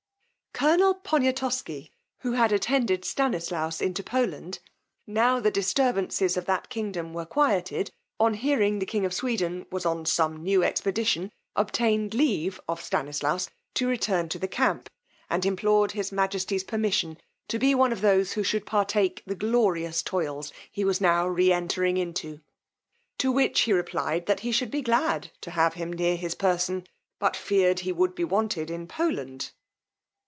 Colonel Poniatosky, who had attended Stanislaus into Poland, now the disturbances of that kingdom were quieted, on hearing the king of Sweden was on some new expedition, obtained leave of Stanislaus to return to the camp, and implored his majesty's permission to be one of those who should partake the glorious toils he was now re entering into. To which he replied, that he should be glad to have him near his person, but feared he would be wanted in Poland.